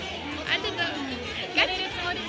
ぬれるつもりで？